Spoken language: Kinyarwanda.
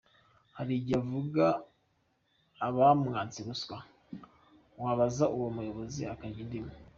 Hari igihe avuga abamwatse ruswa, wabaza uwo muyobozi akarya indimi.